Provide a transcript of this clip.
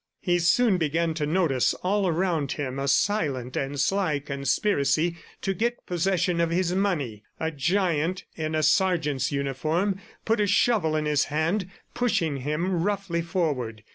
He soon began to notice all around him a silent and sly conspiracy to get possession of his money. A giant in a sergeant's uniform put a shovel in his hand pushing him roughly forward.